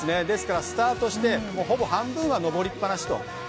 ですからスタートしてほぼ半分は上りっぱなしと。